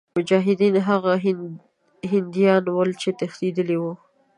مجاهدین هغه هندیان ول چې تښتېدلي وه.